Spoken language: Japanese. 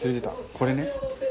これね。